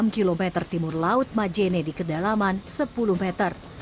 enam km timur laut majene di kedalaman sepuluh meter